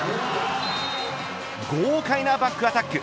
豪快なバックアタック。